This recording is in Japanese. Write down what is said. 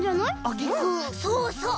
そうそう。